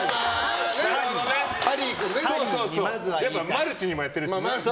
マルチにもやってるしね。